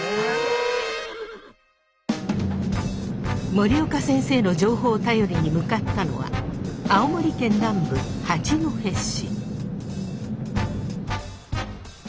森岡先生の情報を頼りに向かったのは青森県南部八戸市。